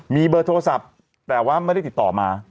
มีเบอร์โทรศัพท์แต่ว่าไม่ได้ติดต่อมา